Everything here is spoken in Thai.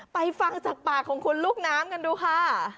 ฟังจากปากของคุณลูกน้ำกันดูค่ะ